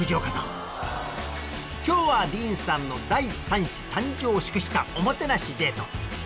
今日はディーンさんの第３子誕生を祝したおもてなしデート。